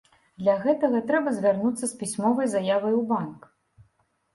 Для гэтага трэба звярнуцца з пісьмовай заявай у банк.